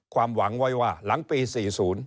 ความหวังไว้ว่าหลังปี๔๐